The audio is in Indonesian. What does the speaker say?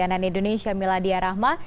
dan indonesia miladia rahma